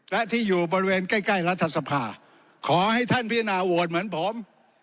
และที่อยู่บริเวณใกล้รัฐสภาขอให้ท่านพิจารณาโหวตเหมือนผม